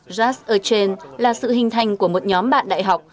trust a treasure là sự hình thành của một nhóm bạn đại học